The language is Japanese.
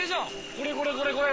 これこれこれこれ。